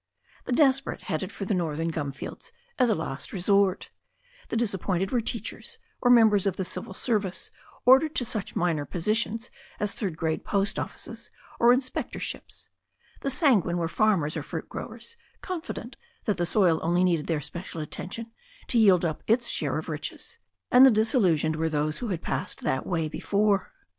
The desperate headed for the northern gum fields as a last resource; the disappointed were teachers, or members of the Civil Service ordered ta such minor positions as third grade post offices or inspector* ships; the sanguine were farmers or fruit growers, con* fident that the soil only needed their special attention to yield up its share of riches ; and the disillusioned were those who had passed that way before.